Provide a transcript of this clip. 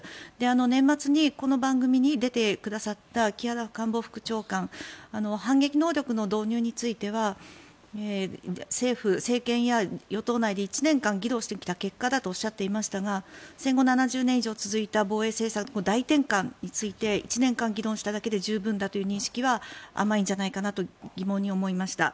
年末にこの番組に出てくださった木原官房副長官反撃能力の導入については政府、政権や与党内で１年間議論してきた結果だとおっしゃってしましたが戦後７０年以上続いた防衛政策の大転換について１年間議論しただけで十分だという認識は甘いんじゃないかなと疑問に思いました。